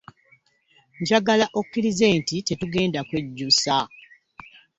Njagala okkirize nti tetugenda kwejjusa.